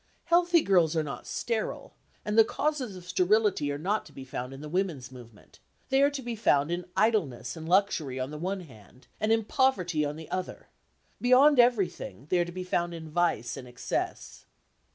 Healthy girls are not sterile, and the causes of sterility are not to be found in the women's movement; they are to be found in idleness and luxury on the one hand, and in poverty on the other; beyond everything, they are to be found in vice and excess.